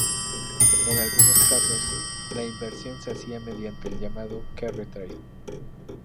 En algunos casos, la inversión se hacía mediante el llamado "carry trade".